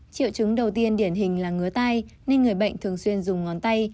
triệu chứng đầu tiên điển hình là ngứa tai nên người bệnh thường xuyên dùng ngón tay